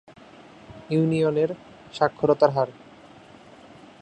ইউনিয়নের সাক্ষরতার হার।